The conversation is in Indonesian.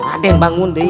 raden bangun deh